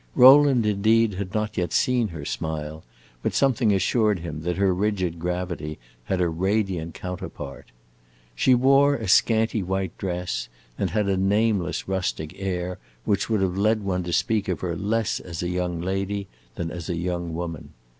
Rowland, indeed, had not yet seen her smile, but something assured him that her rigid gravity had a radiant counterpart. She wore a scanty white dress, and had a nameless rustic air which would have led one to speak of her less as a young lady than as a young woman.